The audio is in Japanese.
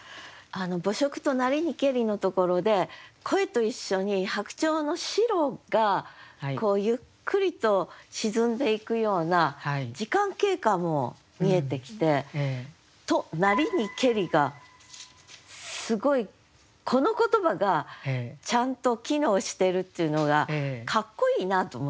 「暮色となりにけり」のところで声と一緒に白鳥の白がゆっくりと沈んでいくような時間経過も見えてきて「となりにけり」がすごいこの言葉がちゃんと機能してるっていうのがかっこいいなと思いました。